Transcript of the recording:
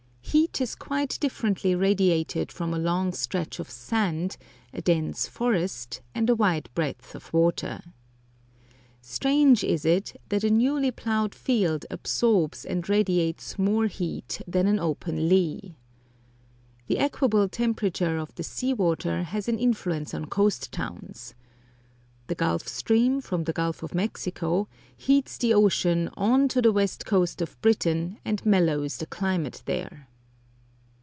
Heat is quite differently radiated from a long stretch of sand, a dense forest, and a wide breadth of water. Strange is it that a newly ploughed field absorbs and radiates more heat than an open lea. The equable temperature of the sea water has an influence on coast towns. The Gulf Stream, from the Gulf of Mexico, heats the ocean on to the west coast of Britain, and mellows the climate there.